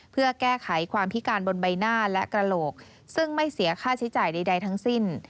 เพื่อแก้ไขความพิการบนใบหน้าและกระโหลกซึ่งไม่เสียค่าใช้จ่ายใดทั้งสิ้น